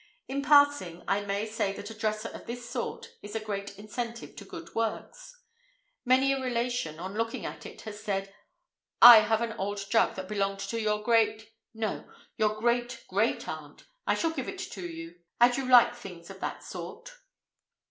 In passing, I may say that a dresser of this sort is a great incentive to good works. Many a relation, on looking at it, has said, "I have an old jug that belonged to your great, no, your great great aunt; I shall give it to you, as you like things of that sort."